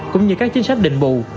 cũng như các chính sách định bù